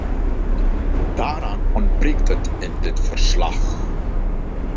Daaraan ontbreekt het in dit verslag.